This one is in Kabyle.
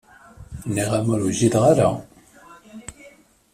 Nniɣ-am ur wjideɣ ara.